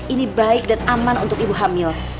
ini baik dan aman untuk ibu hamil